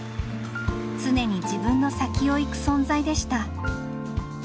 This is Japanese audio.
常に自分の先をゆく存在でした。